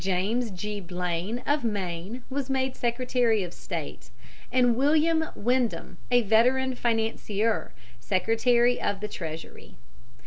James G. Blaine, of Maine, was made Secretary of State, and Wm. Windom, a veteran financier, Secretary of the Treasury.